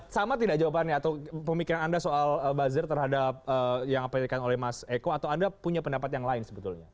sama tidak jawabannya atau pemikiran anda soal buzzer terhadap yang apa yang dikatakan oleh mas eko atau anda punya pendapat yang lain sebetulnya